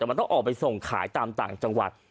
แต่มันต้องออกไปส่งขายตามต่างจังหวัด